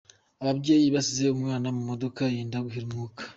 Ababyeyi basize umwana mu modoka yenda guhera umwuka